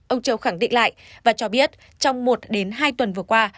ông châu khẳng định lại và cho biết trong một đến hai tuần vừa qua